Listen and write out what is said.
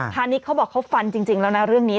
ณิชย์เขาบอกเขาฟันจริงแล้วนะเรื่องนี้